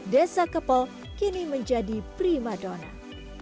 desa kepol kini menjadi prima dona